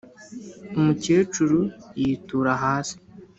umukecuru yitura hasi,